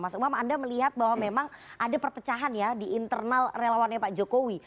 mas umam anda melihat bahwa memang ada perpecahan ya di internal relawannya pak jokowi